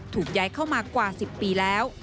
ถูกย้ายเข้ามากว่า๑๐ปีแล้ว